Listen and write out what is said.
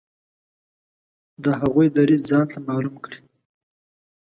د هغوی دریځ ځانته معلوم کړي.